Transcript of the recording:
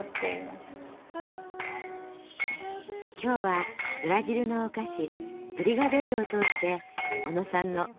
今日はブラジルのお菓子ブリガデイロを通して小野さんの故郷への思い